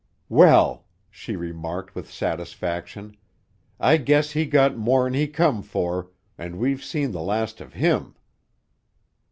"Well," she remarked with satisfaction. "I guess he got more 'n he come for, an' we've seen the last of _him!